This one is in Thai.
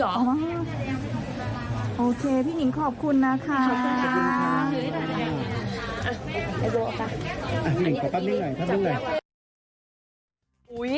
อันนี้ก็ดี